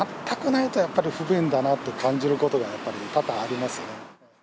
全くないとやっぱり不便だなと感じることが、やっぱり多々ありますね。